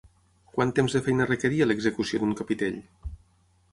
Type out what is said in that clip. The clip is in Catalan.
Quant temps de feina requeria l'execució d'un capitell?